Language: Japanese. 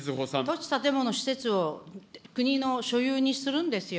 土地、建物、施設を国の所有にするんですよ。